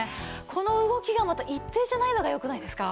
この動きがまた一定じゃないのがよくないですか？